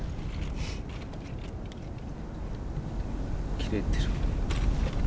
切れてる。